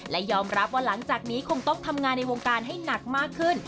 และยอมรับว่าหลังจากนี้คงต้องทำงานในวงการให้หนักมากขึ้น